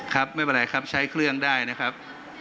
ครับไม่เป็นไรครับใช้เครื่องได้นะครับ